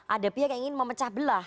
ada pihak yang ingin memecah belah